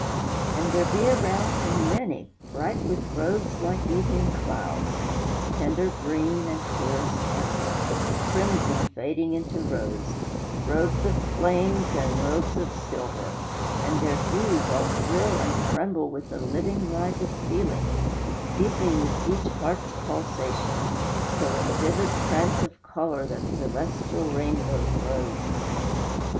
And there be around him many, Bright with robes like evening clouds, Tender green and clearest amber, Crimson fading into rose, Robes of flames and robes of silver, And their hues all thrill and tremble With a living light of feeling, Deepening with each heart's pulsation, Till in vivid trance of color That celestial rainbow glows.